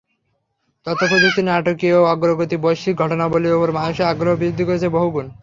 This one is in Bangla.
তথ্যপ্রযুক্তির নাটকীয় অগ্রগতি বৈশ্বিক ঘটনাবলির ওপর মানুষের আগ্রহ বৃদ্ধি করেছে বহগুণ।